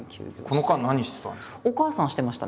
この間何してたんですか？